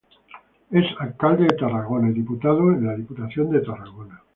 Es Alcalde de Tarragona y diputado de la Diputación de Tarragona.